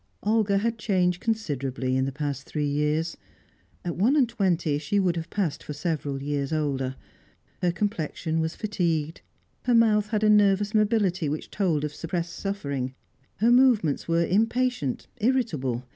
Olga had changed considerably in the past three years; at one and twenty she would have passed for several years older; her complexion was fatigued, her mouth had a nervous mobility which told of suppressed suffering, her movements were impatient, irritable.